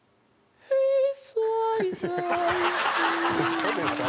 嘘でしょ？